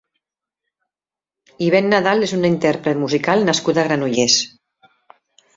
Ivette Nadal és una intérpret musical nascuda a Granollers.